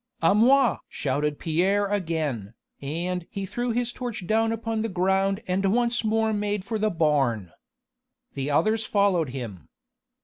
"A moi!" shouted Pierre again, and he threw his torch down upon the ground and once more made for the barn. The others followed him.